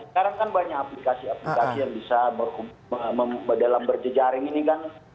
sekarang kan banyak aplikasi aplikasi yang bisa dalam berjejaring ini kan